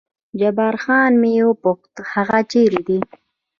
جبار خان مې وپوښت هغه چېرې دی؟